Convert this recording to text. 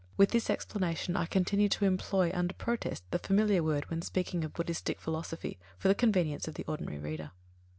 With this explanation, I continue to employ under protest the familiar word when speaking of Buddhistic philosophy, for the convenience of the ordinary reader.